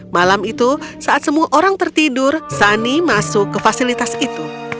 malam itu saat semua orang tertidur sani masuk ke fasilitas itu